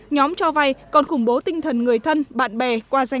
nhóm cho vay còn khủng bố tinh thần người thân bạn bè qua danh bạ icloud để đòi nợ